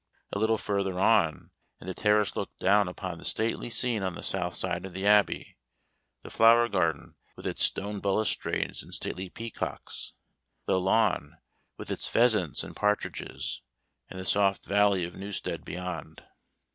A little farther on, and the terrace looked down upon the stately scene on the south side of the Abbey; the flower garden, with its stone balustrades and stately peacocks, the lawn, with its pheasants and partridges, and the soft valley of Newstead beyond.